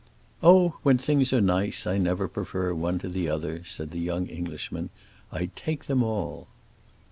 "Oh, when things are nice I never prefer one to the other," said the young Englishman. "I take them all."